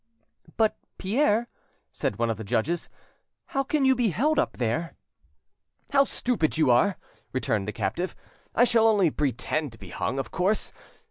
"But, Pierre," said one of the judges, "how can you be held up there?" "How stupid you are!" returned the captive. "I shall only pretend to be hung, of course.